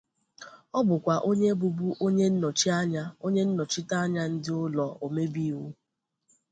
Ọ bụkwa onye bụbu onye nnọchi anya onye nnọchite anya ndị ụlọ omebe iwu.